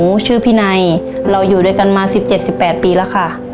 ชื่อพี่ไนเราอยู่ด้วยกันมา๑๗๑๘ปีแล้วค่ะ